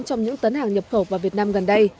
trong những tấn hàng nhập khẩu vào việt nam gần đây